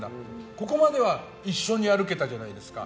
ここまでは一緒に歩けたじゃないですか。